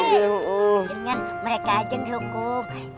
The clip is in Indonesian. dengan mereka aja yang dihukum